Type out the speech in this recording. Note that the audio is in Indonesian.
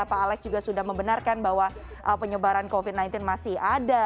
pak alex juga sudah membenarkan bahwa penyebaran covid sembilan belas masih ada